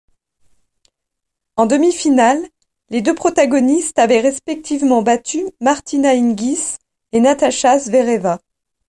En demi-finale, les deux protagonistes avaient respectivement battu Martina Hingis et Natasha Zvereva.